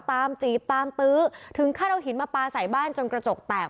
จีบตามตื้อถึงขั้นเอาหินมาปลาใส่บ้านจนกระจกแตก